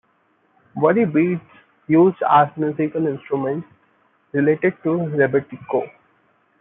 Worry beads used as musical instrument, related to rebetiko.